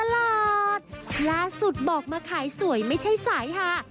ล่าสุดบอกมาขายสวยไม่ใช่สายฮา